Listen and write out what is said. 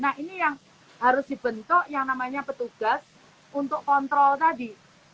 nah ini yang harus dibentuk yang namanya petugas untuk kontrol tadi